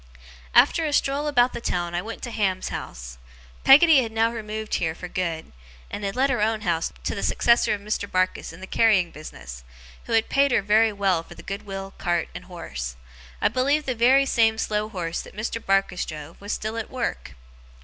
After a stroll about the town I went to Ham's house. Peggotty had now removed here for good; and had let her own house to the successor of Mr. Barkis in the carrying business, who had paid her very well for the good will, cart, and horse. I believe the very same slow horse that Mr. Barkis drove was still at work.